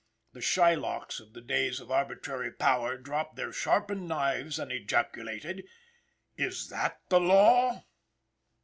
The Shylocks of the days of arbitrary power dropped their sharpened knives and ejaculated, "Is that the law?"